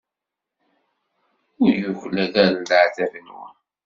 Ur yuklal ara leɛtab-nwen.